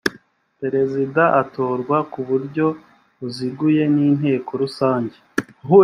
perezida atorwa ku buryo buziguye n inteko rusange